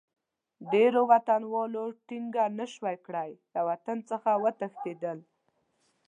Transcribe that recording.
ډېرو وطنوالو ټینګه نه شوای کړای، له وطن څخه وتښتېدل.